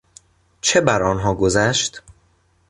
چه برآنها گذشت؟